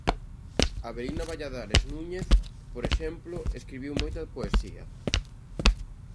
Avelina Valladares Núñez, por exemplo, escribiu moita poesía.